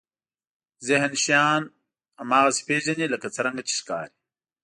ذهن شیان هماغسې پېژني لکه څرنګه چې ښکاري.